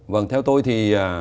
vâng theo tôi thì